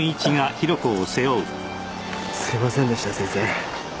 すいませんでした先生。